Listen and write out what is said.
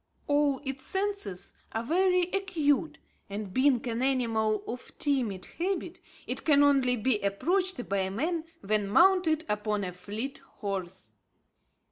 All its senses are very acute; and being an animal of timid habit, it can only be approached by man when mounted upon a fleet horse.